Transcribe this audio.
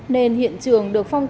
nên hiện trường được phát triển